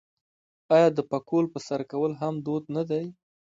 آیا د پکول په سر کول هم دود نه دی؟